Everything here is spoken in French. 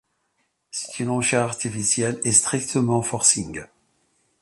C'est une enchère artificielle et strictement forcing.